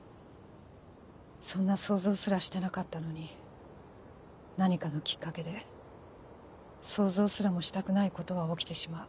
そんな想像すらしてなかったのに何かのきっかけで想像すらもしたくないことは起きてしまう。